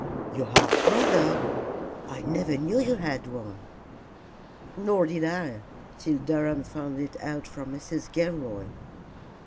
"Your half brother! I never knew you had one." "Nor did I, till Durham found it out from Mrs. Gilroy."